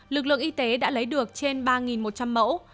lực lượng y tế đã lấy được trên ba một trăm linh mẫu